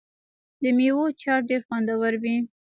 د میوو چاټ ډیر خوندور وي.